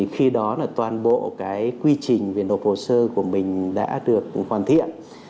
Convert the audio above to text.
khi đó toàn bộ quy trình viện đột hồ sơ của mình đã được hoàn thiện